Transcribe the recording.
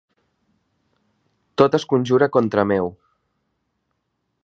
Tot es conjura contra meu.